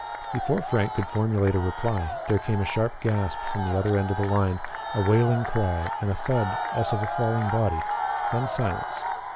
Before Frank could formulate a reply, there came a sharp gasp from the other end of the line, a wailing cry and a thud as of a falling body; then silence.